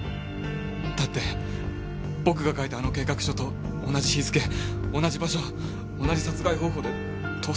だって僕が書いたあの計画書と同じ日付同じ場所同じ殺害方法で父さんが人を。